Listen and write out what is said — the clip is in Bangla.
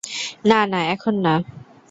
না, না, এখন না!